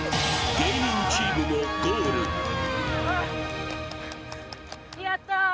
芸人チームもゴールやったー